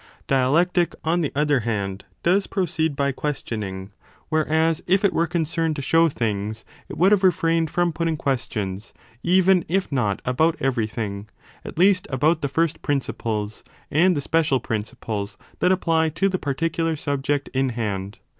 Dialectic, on the other hand, does proceed by questioning, wnereas if it were concerned to show things, it would have refrained from putting questions, even if not about every thing, at least about the first principles and the special prin ciples that apply to the particular subject in hand.